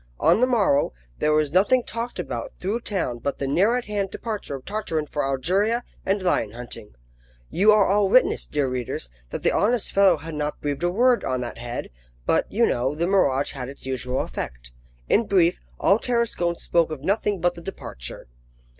On the morrow, there was nothing talked about through town but the near at hand departure of Tartarin for Algeria and lion hunting. You are all witness, dear readers, that the honest fellow had not breathed a word on that head; but, you know, the mirage had its usual effect. In brief, all Tarascon spoke of nothing but the departure.